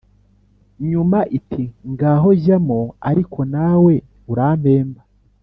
nyuma iti: “ngaho jyamo ariko nawe urampemba!”